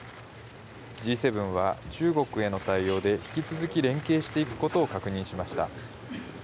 Ｇ７は中国への対応で引き続き連携していくことを確認しました。